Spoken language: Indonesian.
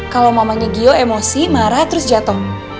kalau mamanya gio emosi marah terus jatuh